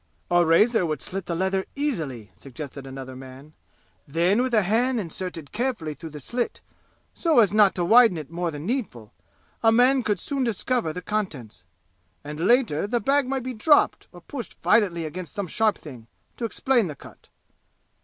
"A razor would slit the leather easily," suggested another man. "Then with a hand inserted carefully through the slit, so as not to widen it more than needful, a man could soon discover the contents. And later, the bag might be dropped or pushed violently against some sharp thing, to explain the cut."